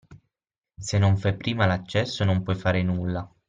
Se non fai prima l'accesso non puoi fare nulla.